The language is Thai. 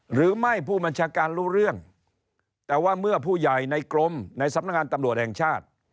ผู้บัญชาการรู้เรื่องแต่ว่าเมื่อผู้ใหญ่ในกรมในสำนักงานตำรวจแห่งชาติ